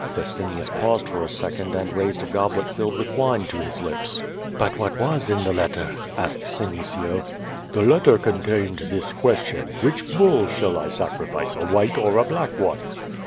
" Vestinius paused for a second and raised a goblet filled with wine to his lips. "But what was in the letter?" asked Senecio. "The letter contained this question: 'Which bull shall I sacrifice, a white or a black one?'